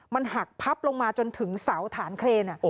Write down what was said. มันหักพับลงมาจนถึงเสาฐานเครน